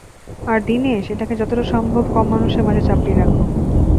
আর দীনেশ, এটাকে যতটা সম্ভব কম মানুষের মাঝে চাপিয়ে রাখো।